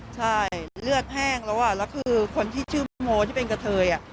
ใช่เลือดแห้งแล้วแล้วคือคนโมท์ที่เป็นกะเทย